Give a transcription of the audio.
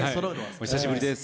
お久しぶりです。